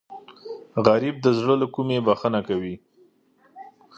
غریب د زړه له کومې بښنه کوي